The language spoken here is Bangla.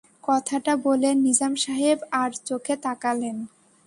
কথাটা বলে নিজাম সাহেব আড়চোখে তাকালেন।